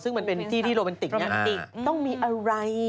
ซึ่งมันเป็นที่ที่โรแมนติกต้องมีอะไร